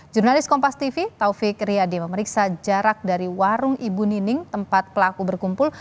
jurnalis kompas tv taufik riyadi memeriksa jarak dari warung ibu nining tempat pelaku berkumpul